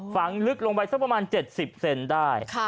ฝังลึกลงไปสักประมาณ๗๐เซนได้